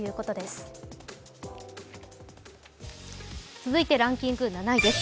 続いてランキング７位です。